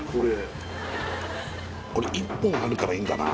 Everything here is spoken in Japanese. これ１本あるからいいんだな